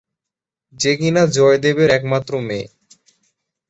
যে কিনা জয়দেবের একমাত্র মেয়ে।